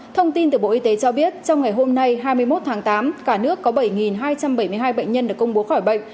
thông tin từ bộ y tế cho biết trong ngày hôm nay hai mươi một tháng tám cả nước có bảy hai trăm bảy mươi hai bệnh nhân được công bố khỏi bệnh